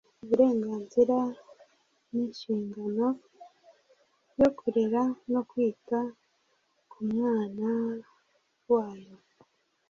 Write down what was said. uburenganzira n'inshingano yo kurera no kwita ku mwana wabo